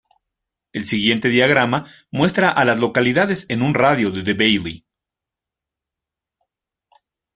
El siguiente diagrama muestra a las localidades en un radio de de Bailey.